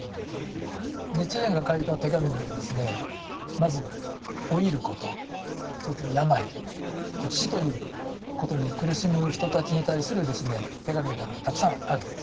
日蓮が書いた手紙にはですねまず老いることそれと病死ということに苦しむ人たちに対する手紙がたくさんあるんですね。